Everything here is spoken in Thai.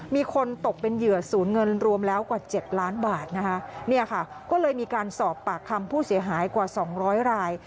มีคนตกเป็นเหยื่อศูนย์เงินรวมแล้วกว่า๗ล้านบาทก็เลยมีการสอบปากคำผู้เสียหายกว่า๒๐๐ราย